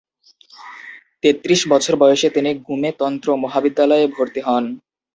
তেত্রিশ বছর বয়সে তিনি গ্যুমে তন্ত্র মহাবিদ্যালয়ে ভর্তি হন।